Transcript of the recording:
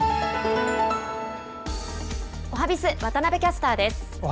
おはＢｉｚ、渡部キャスターです。